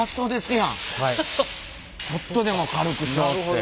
ちょっとでも軽くしようって。